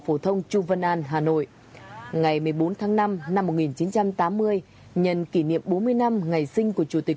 phổ thông trung văn an hà nội ngày một mươi bốn tháng năm năm một nghìn chín trăm tám mươi nhận kỷ niệm bốn mươi năm ngày sinh của chủ tịch